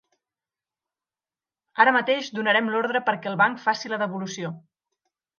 Ara mateix donarem l'ordre perquè el banc faci la devolució.